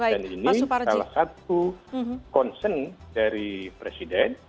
dan ini salah satu concern dari presiden